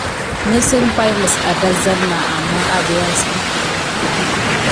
Nǝsen paï ah dazan ɓa, ammah ebé ahǝn sidike nah wade.